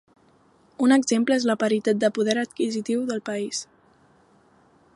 Un exemple és la paritat de poder adquisitiu del país.